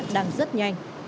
đang rất nhanh